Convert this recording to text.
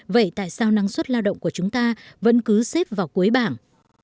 vậy tại sao năng suất lao động của chúng ta vẫn cứ xếp vào cuối bảng